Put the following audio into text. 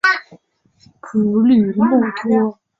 普吕默托。